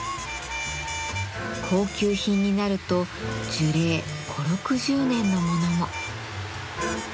高級品になると樹齢５０６０年のものも。